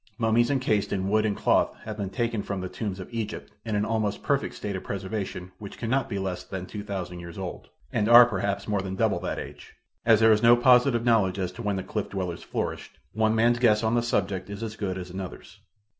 Mummies encased in wood and cloth have been taken from the tombs of Egypt in an almost perfect state of preservation which cannot be less than two thousand years old, and are, perhaps, more than double that age. As there is no positive knowledge as to when the cliff dwellers flourished, one man's guess on the subject is as good as another's.